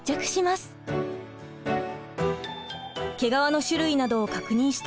毛皮の種類などを確認した